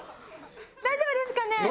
大丈夫ですかね？